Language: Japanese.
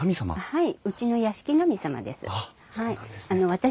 はい。